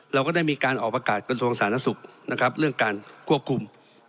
เราก็ได้มีการออกประกาศกระทรวงสาธารณสุขนะครับเรื่องการควบคุม